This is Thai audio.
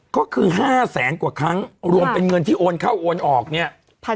ก็คือ๕แสนกว่าครั้งรวมเป็นเงินที่โอนเข้าโอนออกเนี่ย